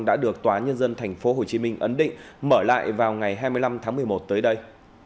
đã được tòa nhân dân tp hcm ấn định mở lại vào ngày hai mươi năm tháng một mươi một tới đây